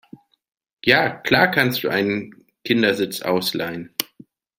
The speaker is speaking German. ja klar, kannst du einen Kindersitz ausleihen.